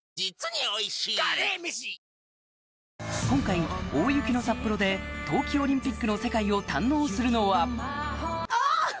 今回大雪の札幌で冬季オリンピックの世界を堪能するのはおぉ！